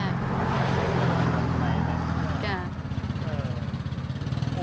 เพื่อนเขาชวนไปไหม